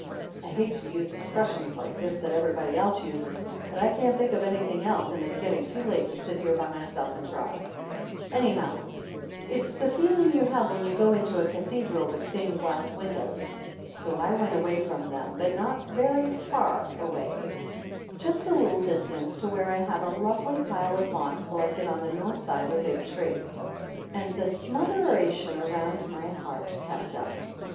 (I hate to use expressions like this, that everybody else uses, but I can't think of anything else and it's getting too late to sit here by myself and try. ) 26 Jabbing holes in the sand with her parasol Page 26 THE ANNALS OF ANN Anyhow it's the feeling you have when you go into a cathedral with stained glass windows. So I went away from them, but not very far away, just a little distance, to where I have a lovely pile of moss collected on the north side of a big tree. And the smotheration around my heart kept up.